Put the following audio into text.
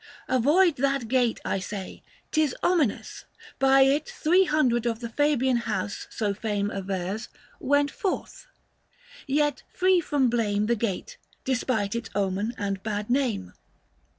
205 Avoid that gate, I say ; 'tis ominous ! By it three hundred of the Fabian house, So fame avers, went forth. Yet free from blame The gate, despite its omen and bad name.